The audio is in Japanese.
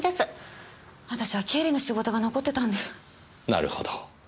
なるほど。